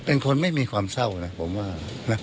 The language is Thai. เป็นคนไม่มีความเศร้านะคงเหมือน